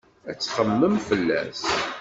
Ad txemmem fell-as.